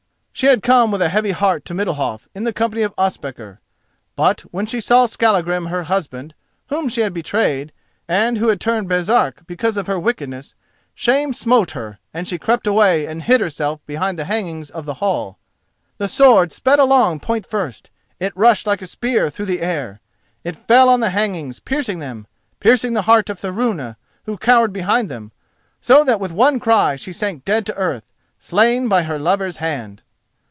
She had come with a heavy heart to Middalhof in the company of Ospakar; but when she saw Skallagrim, her husband—whom she had betrayed, and who had turned Baresark because of her wickedness—shame smote her, and she crept away and hid herself behind the hangings of the hall. The sword sped along point first, it rushed like a spear through the air. It fell on the hangings, piercing them, piercing the heart of Thorunna, who cowered behind them, so that with one cry she sank dead to earth, slain by her lover's hand.